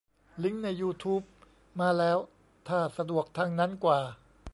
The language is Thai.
ลิงก์ในยูทูบมาแล้ว ถ้าสะดวกทางนั้นกว่า